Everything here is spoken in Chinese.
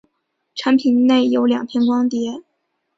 产品内有两片光碟。